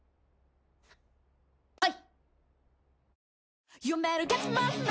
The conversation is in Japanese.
はい！